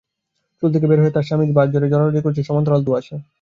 চুলা থেকে বের হয়ে তার বাড়ির বাঁশঝাড়ে জড়াজড়ি করে আছে সমান্তরাল ধোঁয়াশা।